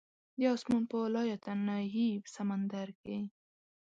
د اسمان په لایتناهي سمندر کې